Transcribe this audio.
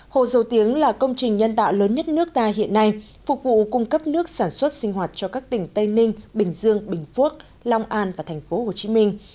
hồ dầu tiếng là công trình nhân tạo lớn nhất nước ta hiện nay phục vụ cung cấp nước sản xuất sinh hoạt cho các tỉnh tây ninh bình dương bình phuốc long an và thành phố hồ chí minh